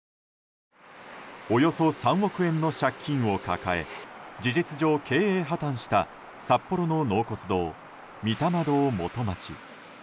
およそ３億円の借金を抱え事実上、経営破綻した札幌の納骨堂、御霊堂元町。